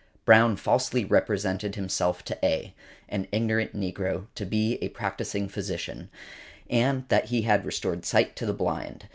Brown falsely represented himself to A., an ignorant negro, to be a practising physician, and that he had restored sight to the blind.